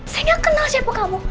saya gak kenal siapa kamu